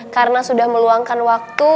karena sudah meluangkan waktu